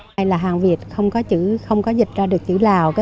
đây là hàng việt không có dịch ra được chữ lào